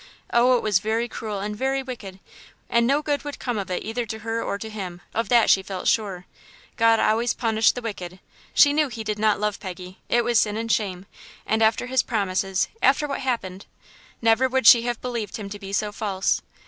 Oh, it was very cruel and very wicked, and no good would come of it either to her or to him; of that she felt quite sure. God always punished the wicked. She knew he did not love Peggy. It was sin and shame; and after his promises after what had happened. Never would she have believed him to be so false.